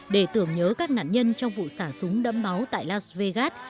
để tưởng nhớ các nạn nhân trong vụ xả súng đẫm máu tại las vegas